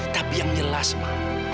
tapi yang jelas ma